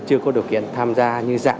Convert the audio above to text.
chưa có điều kiện tham gia như dạng